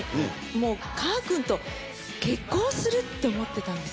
もうかーくんと結婚するって思ってたんです。